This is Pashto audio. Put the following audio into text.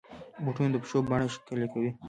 بوټونه د پښو بڼه ښکلي کوي.